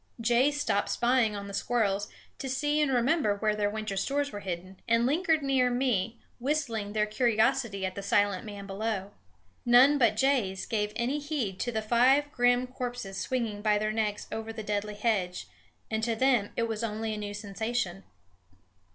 Jays stopped spying on the squirrels to see and remember where their winter stores were hidden and lingered near me, whistling their curiosity at the silent man below. None but jays gave any heed to the five grim corpses swinging by their necks over the deadly hedge, and to them it was only a new sensation.